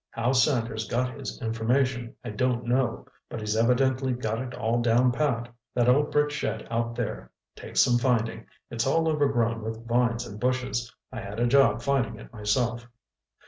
How Sanders got his information, I don't know, but he's evidently got it all down pat. That old brick shed out there takes some finding. It's all overgrown with vines and bushes—I had a job finding it myself."